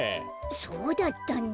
そうだったんだ。